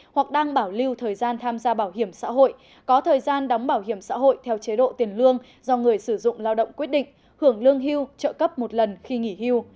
hoặc đang bảo lưu thời gian tham gia bảo hiểm xã hội có thời gian đóng bảo hiểm xã hội theo chế độ tiền lương do người sử dụng lao động quyết định hưởng lương hưu trợ cấp một lần khi nghỉ hưu